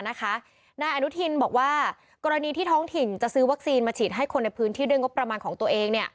นายอนุทินบอกว่ากรณีที่ท้องถิ่นจะซื้อวัคซีนมาฉีดให้คนในพื้นที่ด้วยงบประมาณของตัวเอง